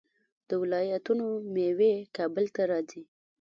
د ولایتونو میوې کابل ته راځي.